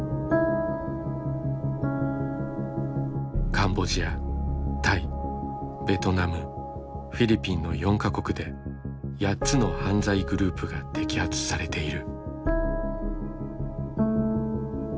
カンボジアタイベトナムフィリピンの４か国で８つの犯罪グループが摘発されている。